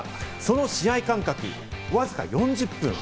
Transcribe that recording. その試合間隔わずか４０分。